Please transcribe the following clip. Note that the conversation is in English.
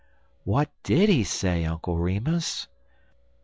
"What did he say, Uncle Remus?"